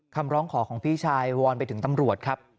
คำร้องขอของพี่ชายวอนไปถึงตำรวจครับ